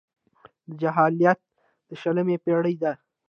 دا جاهلیت د شلمې پېړۍ دی.